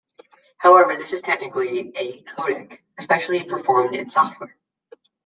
However, this is technically a codec, especially if performed in software.